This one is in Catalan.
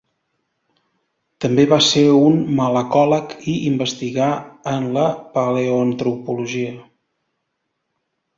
També va ser un malacòleg i investigà en la paleoantropologia.